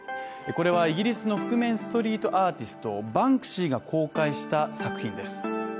これはイギリスの覆面ストリートアーティストバンクシーが公開した作品です。